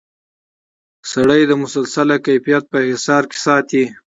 سړی د مسلسل کیفیت په حصار کې ساتي.